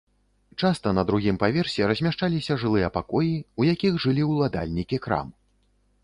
Часта на другім паверсе размяшчаліся жылыя пакоі, у якіх жылі ўладальнікі крам.